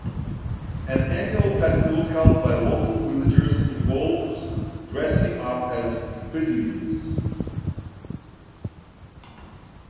An annual festival held by local villagers involves dressing up as bedouins.